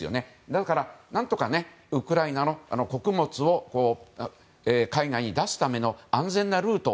だから何とかウクライナの穀物を海外に出すための安全なルート。